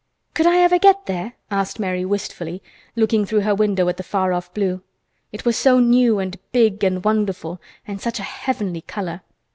"Could I ever get there?" asked Mary wistfully, looking through her window at the far off blue. It was so new and big and wonderful and such a heavenly color.